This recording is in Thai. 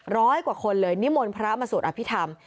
ร้อยกว่าคนเลยนิมนต์พระมสูตรอภิษฐำ